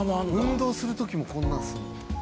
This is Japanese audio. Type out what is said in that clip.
運動するときもこんなんすんの？